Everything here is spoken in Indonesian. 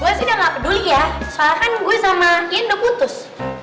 gue sih udah gak peduli ya soalnya kan gue sama ian udah putus